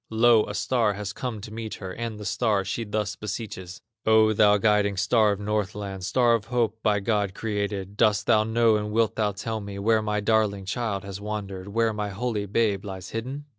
Lo! a star has come to meet her, And the star she thus beseeches: "O, thou guiding star of Northland, Star of hope, by God created, Dost thou know and wilt thou tell me Where my darling child has wandered, Where my holy babe lies hidden?"